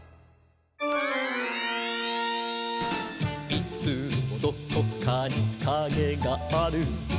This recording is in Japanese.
「いつもどこかにカゲがある」